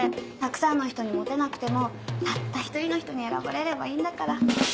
たくさんの人にモテなくてもたった一人の人に選ばれればいいんだから。